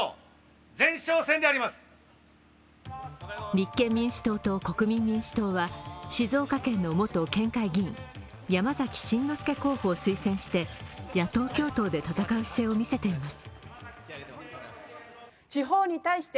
立憲民主党と国民民主党は静岡県の元県会議員山崎真之輔候補を推薦して野党共闘で戦う姿勢を見せています。